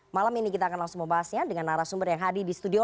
malam ini kita akan langsung membahasnya dengan arah sumber yang hadir di studio